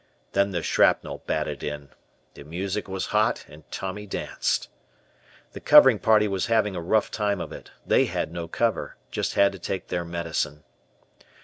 Then the shrapnel batted in. The music was hot and Tommy danced. The covering party was having a rough time of it; they had no cover; just had to take their medicine.